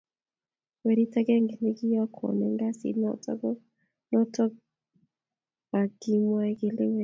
werit agenge ne kikiyon eng kasit noto ko noto be kimwai kilewet noto